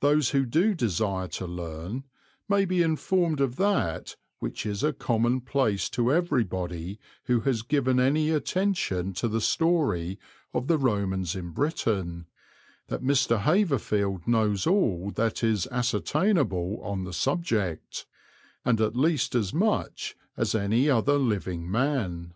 Those who do desire to learn may be informed of that which is a commonplace to everybody who has given any attention to the story of the Romans in Britain, that Mr. Haverfield knows all that is ascertainable on the subject, and at least as much as any other living man.